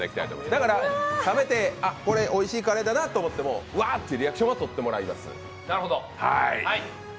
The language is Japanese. だから、食べておいしいカレーだなって思ってもうわっていうリアクションはとってもらいます。